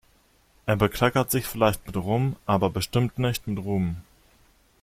Er bekleckert sich vielleicht mit Rum, aber bestimmt nicht mit Ruhm.